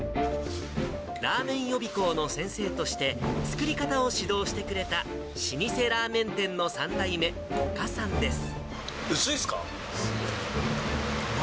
らーめん予備校の先生として、作り方を指導してくれた老舗ラーメン店の３代目、五箇さんです。